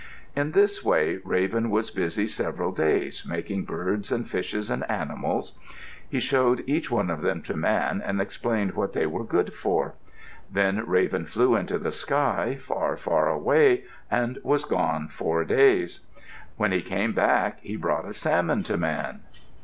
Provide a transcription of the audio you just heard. In this way Raven was busy several days, making birds and fishes and animals. He showed each of them to Man and explained what they were good for. Then Raven flew into the sky, far, far away, and was gone four days. When he came back he brought a salmon to Man.